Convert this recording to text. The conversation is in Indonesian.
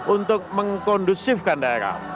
untuk mengkondusifkan daerah